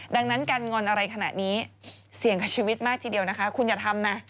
ดังนั้นการงอนอะไรขนาดนี้เสี่ยงกับชีวิตมากทีเดียวนะคะคุณอย่าทำนะ